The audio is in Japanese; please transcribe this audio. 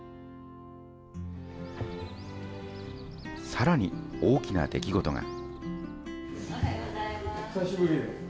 さらに大きな出来事が。